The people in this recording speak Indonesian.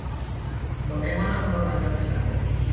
Bagaimana menurut Anda pestanya?